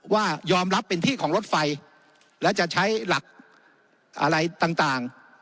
ว่ายอมรับเป็นที่ของรถไฟและจะใช้หลักอะไรต่าง